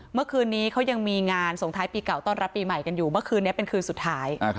เมื่อคืนนี้เขายังมีงานส่งท้ายปีเก่าต้อนรับปีใหม่กันอยู่เมื่อคืนนี้เป็นคืนสุดท้าย